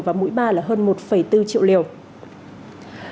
và mũi ba là hơn một bốn triệu liều